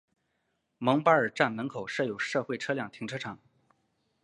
蒙巴尔站门口设有社会车辆停车场。